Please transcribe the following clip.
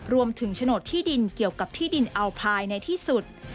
โฉนดที่ดินเกี่ยวกับที่ดินอัลพลายในที่สุด